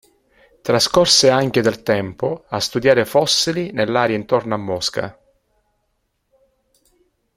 Trascorse anche del tempo a studiare fossili nell'area intorno a Mosca.